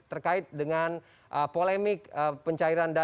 terkait dengan polemik penjagaan buruh